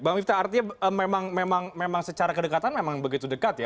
bang miftah artinya memang secara kedekatan memang begitu dekat ya